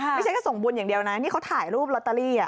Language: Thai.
ไม่ใช่แค่ส่งบุญอย่างเดียวนะนี่เขาถ่ายรูปลอตเตอรี่